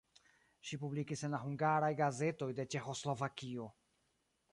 Ŝi publikis en la hungaraj gazetoj de Ĉeĥoslovakio.